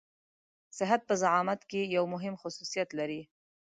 صحت په زعامت کې يو مهم خصوصيت دی.